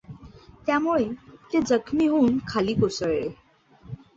त्यामुळे ते जखमी होऊन खाली कोसळले.